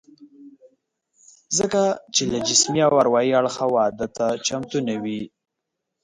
ځکه چې له جسمي او اروايي اړخه واده ته چمتو نه وي